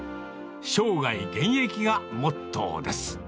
生涯現役がモットーです。